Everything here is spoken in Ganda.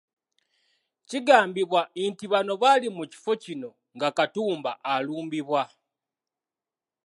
Kigambibwa nti bano baali mu kifo kino nga Katumba alumbibwa.